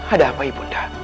ada apa ibu nda